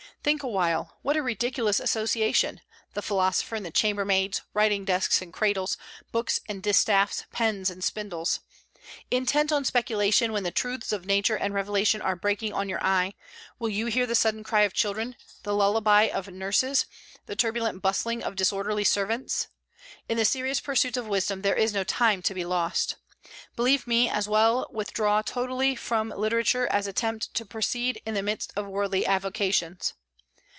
Think a while. What a ridiculous association, the philosopher and the chambermaids, writing desks and cradles, books and distaffs, pens and spindles! Intent on speculation when the truths of nature and revelation are breaking on your eye, will you hear the sudden cry of children, the lullaby of nurses, the turbulent bustling of disorderly servants? In the serious pursuits of wisdom there is no time to be lost. Believe me, as well withdraw totally from literature as attempt to proceed in the midst of worldly avocations.